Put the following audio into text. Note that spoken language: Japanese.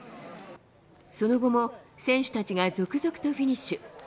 その後も選手たちが続々とフィニッシュ。